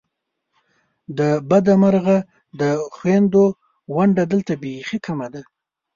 د بده مرغه د خوېندو ونډه دلته بیخې کمه ده !